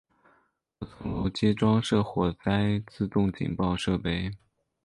各层楼皆装设火灾自动警报设备。